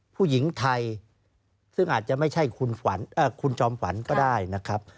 ผู้หญิงไทยซึ่งอาจจะไม่ใช่คุณจอมขวัญก็ได้นะครับ